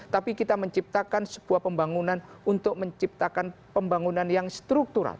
tapi kita menciptakan sebuah pembangunan untuk menciptakan pembangunan yang struktural